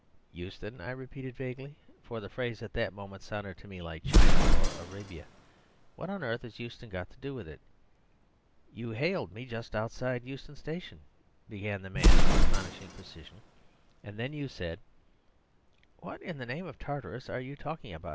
"Euston," I repeated vaguely, for the phrase at that moment sounded to me like China or Arabia. "What on earth has Euston got to do with it?" "You hailed me just outside Euston Station," began the man with astonishing precision, "and then you said " "What in the name of Tartarus are you talking about?"